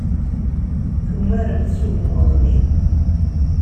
Tumaremt s ugmuḍ-nni.